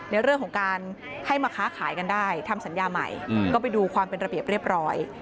ในเรื่องของการให้มาค้าขายกันได้ทำสัญญาใหม่ก็ไปดูความเป็นระเบียบเรียบร้อย